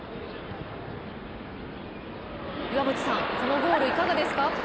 岩渕さん、このゴール、いかがですか？